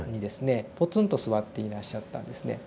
ポツンと座っていらっしゃったんですね。